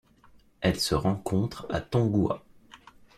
Elle se rencontre à Tonghua.